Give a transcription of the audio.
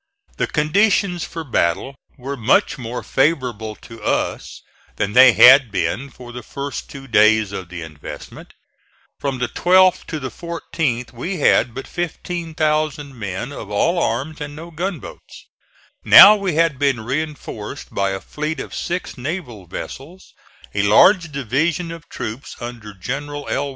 The conditions for battle were much more favorable to us than they had been for the first two days of the investment. From the 12th to the 14th we had but 15,000 men of all arms and no gunboats. Now we had been reinforced by a fleet of six naval vessels, a large division of troops under General L.